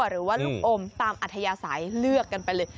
หรือว่าลูกอมตามอัธยาศัยเลือกกันไปเลย